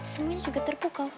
semuanya juga terpukau